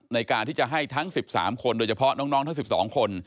ในการที่จะให้ทั้ง๑๓คนโดยเฉพาะน้องทั้ง๑๒คน